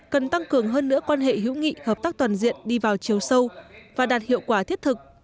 cần tăng cường hơn nữa quan hệ hữu nghị hợp tác toàn diện đi vào chiều sâu và đạt hiệu quả thiết thực